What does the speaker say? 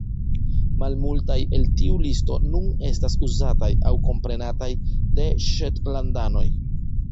Malmultaj el tiu listo nun estas uzataj aŭ komprenataj de ŝetlandanoj.